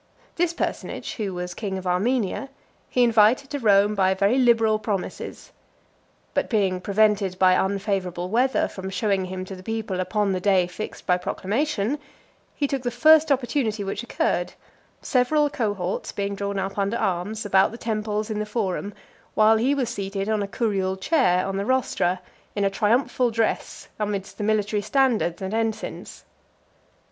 This personage, who was king of Armenia, he invited to Rome by very liberal promises. But being prevented by unfavourable weather from showing him to the people upon the day fixed by proclamation, he took the first opportunity which occurred; several cohorts being drawn up under arms, about the temples in the forum, while he was seated on a curule chair on the rostra, in a triumphal dress, amidst the military standards and ensigns.